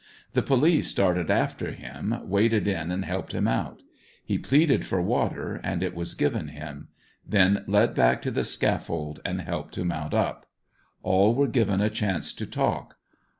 The police started after him, waded in and helped him out. He pleaded for water and it was given him. Then led back to the scaffold and helped to mount up. All were given a chance to talk.